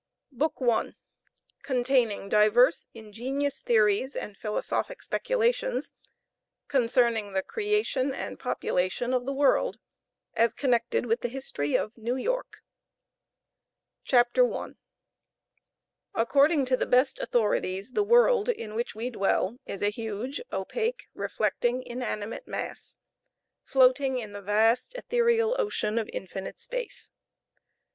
BOOK I. CONTAINING DIVERS INGENIOUS THEORIES AND PHILOSOPHIC SPECULATIONS, CONCERNING THE CREATION AND POPULATION OF THE WORLD, AS CONNECTED WITH THE HISTORY OF NEW YORK. CHAPTER I. According to the best authorities, the world in which we dwell is a huge, opaque, reflecting, inanimate mass, floating in the vast ethereal ocean of infinite space.